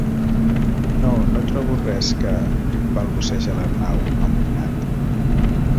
No, no trobo res que... —balbuceja l'Arnau, amoïnat.